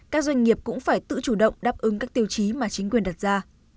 các doanh nghiệp cũng phải tự chủ động đáp ứng các tiêu chí mà chính quyền đặt ra